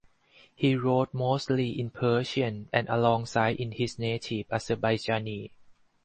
He wrote mostly in Persian and alongside his native Azerbaijani.